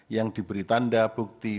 yang diberi tanda bukti